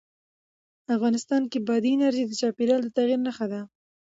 افغانستان کې بادي انرژي د چاپېریال د تغیر نښه ده.